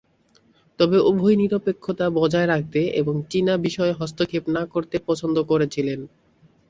তবে উভয়ই নিরপেক্ষতা বজায় রাখতে এবং চীনা বিষয়ে হস্তক্ষেপ না করতে পছন্দ করেছিলেন।